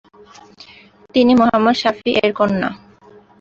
তিনি মুহাম্মদ সাফি এর কন্যা।